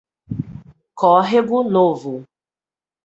Córrego Novo